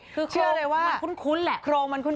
คือใครเคราะห์มันคุ้น